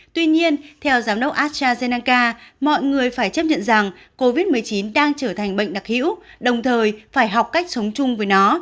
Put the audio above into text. tuy nhiên theo giám đốc astrazeneca mọi người phải chấp nhận rằng covid một mươi chín đang trở thành bệnh đặc hữu đồng thời phải học cách sống chung với nó